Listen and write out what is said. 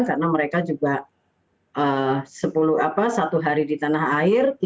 karena mereka juga satu hari di tanah air